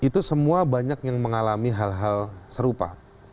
itu semua banyak yang mengalami hal hal serupa